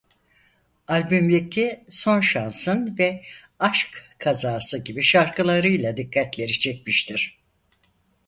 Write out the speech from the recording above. Albümdeki "Son Şansın" ve "Aşk Kazası" gibi şarkılarıyla dikkatleri çekmiştir.